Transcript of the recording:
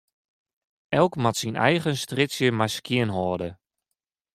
Elk moat syn eigen strjitsje mar skjinhâlde.